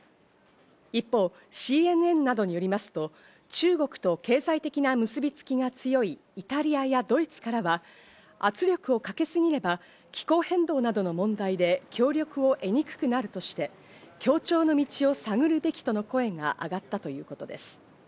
一方、ＣＮＮなどによりますと中国と経済的な結びつきが強いイタリアやドイツからは圧力をかけすぎれば気候変動などの問題で協力を得にくくなるとして協調の道を探るべきとの声があがったということです。